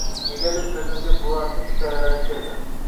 Negadir ko’zimga buvamning hikoyalari keldi.